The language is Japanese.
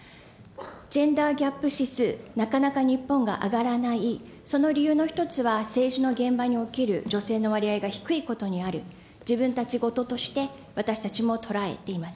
ジェンダーギャップ指数、なかなか日本が上がらない、その理由の一つは、政治の現場における女性の割合が低いことにある、自分たち事として、私たちも捉えています。